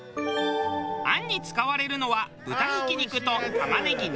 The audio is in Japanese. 餡に使われるのは豚ひき肉と玉ねぎのみ。